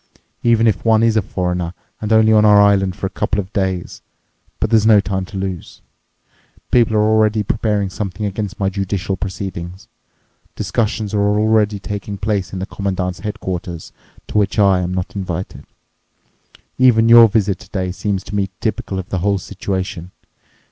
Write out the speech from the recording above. Even if one is a foreigner and only on our island for a couple of days? But there's no time to lose. People are already preparing something against my judicial proceedings. Discussions are already taking place in the Commandant's headquarters, to which I am not invited. Even your visit today seems to me typical of the whole situation.